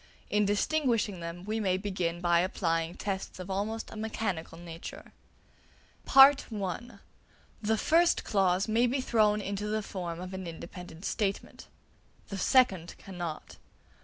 In distinguishing them we may begin by applying tests of almost a mechanical nature. (a) The first clause may be thrown into the form of an independent statement; the second cannot.